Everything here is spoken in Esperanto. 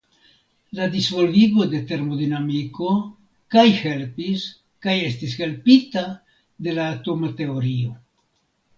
La disvolvigo de termodinamiko kaj helpis kaj estis helpita de la atoma teorio.